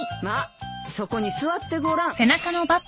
まあそこに座ってごらん。